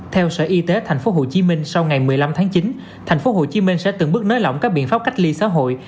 theo sở y tế tp hcm sau ngày một mươi năm tháng chín tp hcm sẽ từng bước nới lỏng các biện pháp cách ly xã hội